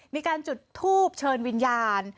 มีการจุดทูบเชิญวิญญาณ